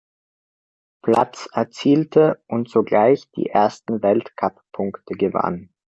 Platz erzielte und sogleich die ersten Weltcuppunkte gewann.